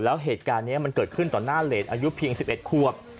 แล้วเหตุการณ์เกิดขึ้นตอนหน้เรนอายุเพียง๑๑ขวบ